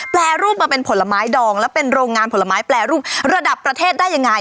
แปรรูปมาเป็นผลไม้ดองแล้วเป็นโรงงานผลไม้แปรรูประดับประเทศได้ยังไง